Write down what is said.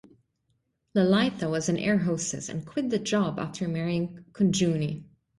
Lalitha was an air hostess and quit the job after marrying Kunjunni.